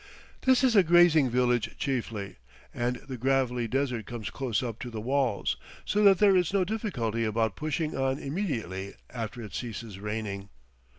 This is a grazing village chiefly, and the gravelly desert comes close up to the walls, so that there is no difficulty about pushing on immediately after it ceases raining.